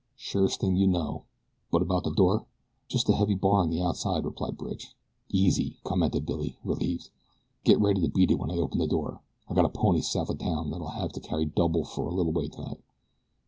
"Surest thing you know; but about the door?" "Just a heavy bar on the outside," replied Bridge. "Easy," commented Billy, relieved. "Get ready to beat it when I open the door. I got a pony south o' town that'll have to carry double for a little way tonight."